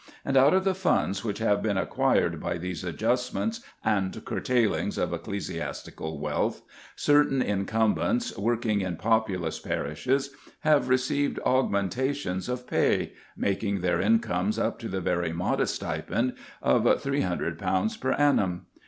And out of the funds which have been acquired by these adjustments and curtailings of ecclesiastical wealth, certain incumbents working in populous parishes have received augmentations of pay, making their incomes up to the very modest stipend of 300_l._ per annum.